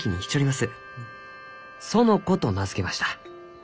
園子と名付けました」。